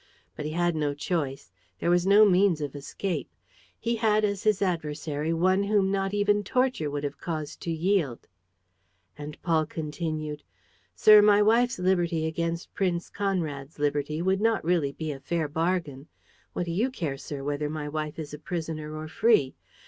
But he had no choice. There was no means of escape. He had as his adversary one whom not even torture would have caused to yield. And Paul continued: "Sir, my wife's liberty against Prince Conrad's liberty would really not be a fair bargain. What do you care, sir, whether my wife is a prisoner or free?